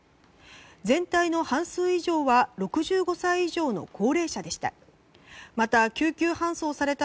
全体の半数以上は６５歳以上の高齢者でした。